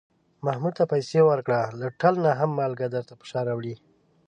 محمود ته پسې ورکړه، له ټل نه هم مالگه درته په شا راوړي.